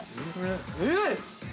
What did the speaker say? ◆えっ！